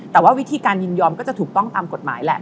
แต่ว่าวิธีการยินยอมก็จะถูกต้องตามกฎหมายแหละ